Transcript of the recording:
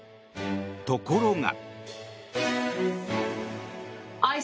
ところが。